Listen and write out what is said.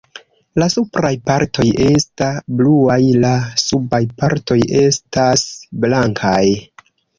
La supraj partoj esta bluaj; la subaj partoj estas blankaj.